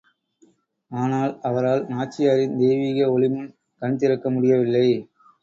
ஆனால் அவரால் நாச்சியாரின் தெய்வீக ஒளிமுன், கண்திறக்க முடியவில்லை.